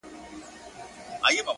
زما خبرو ته لا نوري چیغي وکړه,